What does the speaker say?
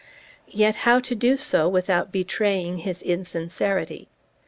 Yet how do so without betraying his insincerity?